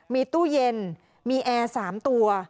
มีตู้เย็นมีแอร์๓ตัว